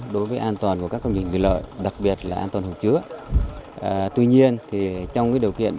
đối với an toàn của các công trình người lợi